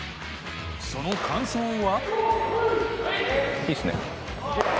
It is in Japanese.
その感想は。